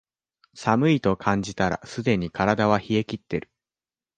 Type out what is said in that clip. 寒いと感じたらすでに体は冷えきってる